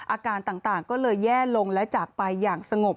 อาการต่างก็เลยแย่ลงและจากไปอย่างสงบ